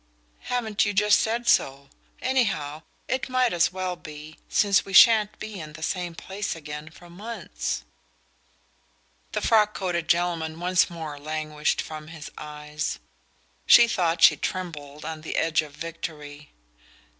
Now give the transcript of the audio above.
"Haven't you just said so? Anyhow, it might as well be, since we shan't be in the same place again for months." The frock coated gentleman once more languished from his eyes: she thought she trembled on the edge of victory.